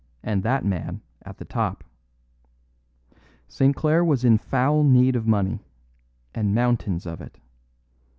and that man at the top. St. Clare was in foul need of money, and mountains of it.